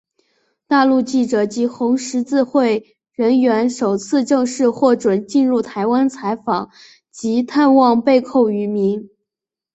大陆记者及红十字会人员首次正式获准进入台湾采访及探望被扣渔民。